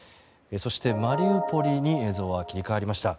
そして、マリウポリに映像は切り替わりました。